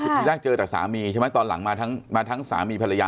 คือทีแรกเจอแต่สามีใช่ไหมตอนหลังมาทั้งสามีภรรยา